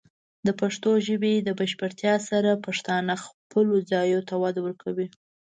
د پښتو ژبې د بشپړتیا سره، پښتانه خپلو ځایونو ته وده ورکوي.